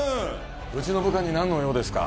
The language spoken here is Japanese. うちの部下に何の用ですか？